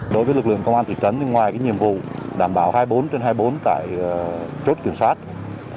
đối với lực lượng công an thị trấn thì ngoài nhiệm vụ đảm bảo hai mươi bốn trên hai mươi bốn tại chốt kiểm soát